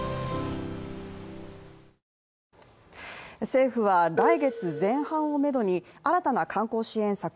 政府は来月前半をめどに新たな観光支援策